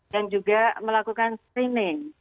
dan juga melakukan screening